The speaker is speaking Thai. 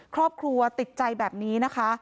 ครอบครัวติดใจแบบนี้นะคะ